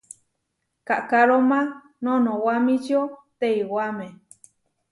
Kaʼkaróma noʼnowamíčio teiwáme.